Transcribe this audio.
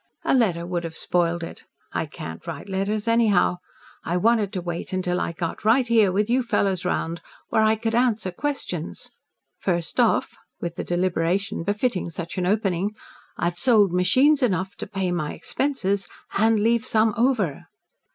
"A letter would have spoiled it. I can't write letters anyhow. I wanted to wait till I got right here with you fellows round where I could answer questions. First off," with the deliberation befitting such an opening, "I've sold machines enough to pay my expenses, and leave some over."